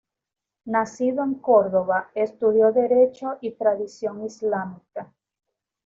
Nacido en Córdoba, estudió Derecho y tradición islámica.